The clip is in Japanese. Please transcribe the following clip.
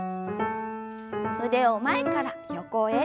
腕を前から横へ。